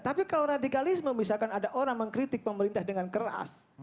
tapi kalau radikalisme misalkan ada orang mengkritik pemerintah dengan keras